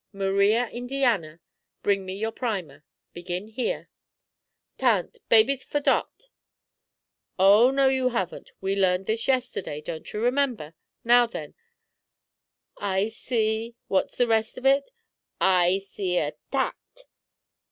Maria Indiana, bring me your primer. Begin here." "Tan't. Baby's fordot." "Oh, no, you haven't. We learned this yesterday, don't you remember? Now, then, 'I see,' what's the rest of it?" "I see a tat."